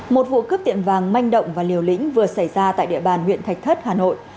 một vụ cướp tiệm vàng manh động và liều lĩnh vừa xảy ra tại địa bàn huyện thạch thất hà nội